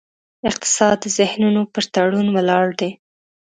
اقتصاد د ذهنونو پر تړون ولاړ دی.